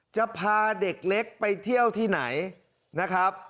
จะพาเด็กเล็กไปเที่ยวที่ไหนนะครับ